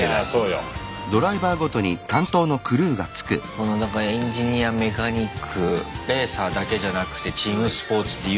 このなんかエンジニアメカニックレーサーだけじゃなくてチームスポーツって言うよね。